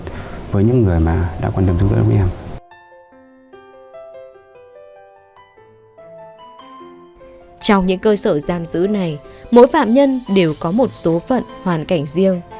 trong những cơ sở giam giữ này mỗi phạm nhân đều có một số phận hoàn cảnh riêng